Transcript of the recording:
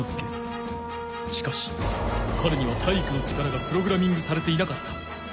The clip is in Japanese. しかしかれには体育の力がプログラミングされていなかった。